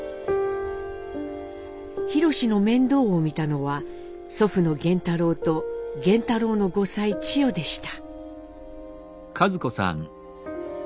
宏の面倒を見たのは祖父の源太郎と源太郎の後妻チヨでした。